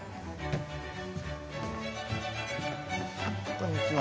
こんにちは。